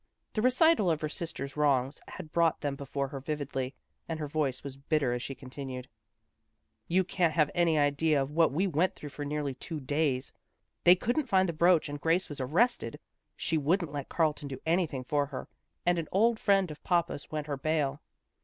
The recital of her sister's wrongs had brought them before her vividly, and her voice was bitter as she continued. " You can't have any idea of what we went through for nearly two days. They couldn't find the brooch and Grace was arrested. She wouldn't let Carlton do anything for her, and an old friend of papa's went her bail.